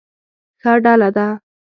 ښه ډله ده.